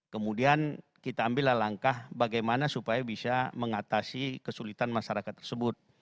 kemudian kita ambil langkah bagaimana supaya bisa mengatasi kesulitan masyarakat tersebut